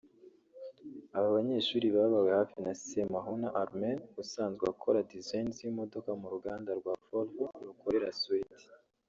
aba banyehsuri babawe hafi na Semahuna Armel usanzwe akora design z’imodoka mu ruganda rwa Volvo rukorera Suwedi